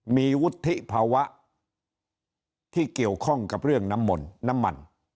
มีวุฒิภาวะที่เกี่ยวข้องกับเรื่องน้ำมัน